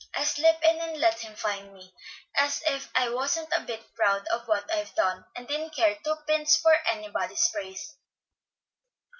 I'll slip in and let him find me, as if I wasn't a bit proud of what I've done, and didn't care two pins for anybody's praise."